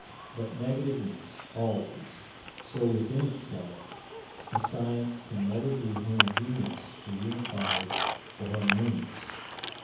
But negativeness always: so within itself a science can never be homogeneous or unified or harmonious.